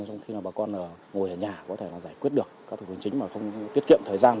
trong khi mà bà con ngồi ở nhà có thể giải quyết được các thủ tướng chính mà không tiết kiệm thời gian